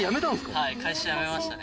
はい、会社辞めましたね。